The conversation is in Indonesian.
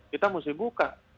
kita mesti buka